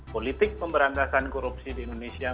politik pemberantasan korupsi di indonesia